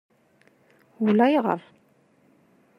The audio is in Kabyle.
Ulayɣer.